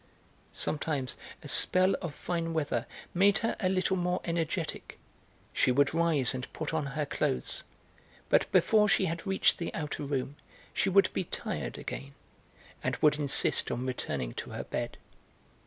Sometimes a spell of fine weather made her a little more energetic, she would rise and put on her clothes; but before she had reached the outer room she would be 'tired' again, and would insist on returning to her bed.